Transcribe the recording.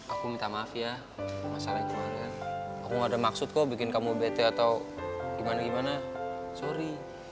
aku minta maaf ya masalah yang kemarin aku gak ada maksud kok bikin kamu bete atau gimana gimana sorry